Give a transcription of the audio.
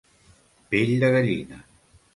Pell de gallina.